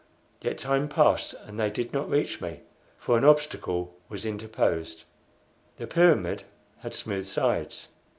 Yet time passed and they did not reach me, for an obstacle was interposed. The pyramid had smooth sides.